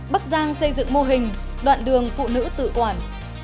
bắc giang xây dựng mô hình đoạn đường phụ nữ tự quản